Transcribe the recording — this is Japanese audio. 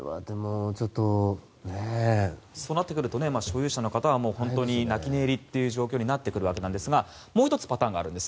そうなってくると所有者の方は本当に泣き寝入りという状況になってくるわけなんですがもう１つパターンがあるんです。